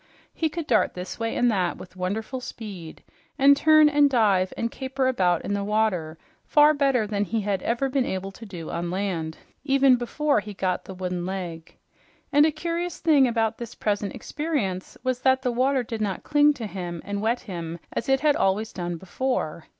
He could dart this way and that with wonderful speed, and turn and dive, and caper about in the water far better than he had ever been able to do on land even before he got the wooden leg. And a curious thing about this present experience was that the water did not cling to him and wet him as it had always done before.